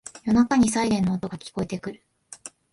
夜中にサイレンの音が聞こえてくる